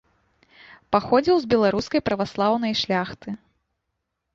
Паходзіў з беларускай праваслаўнай шляхты.